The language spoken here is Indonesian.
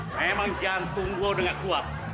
memang jantung gue udah nggak kuat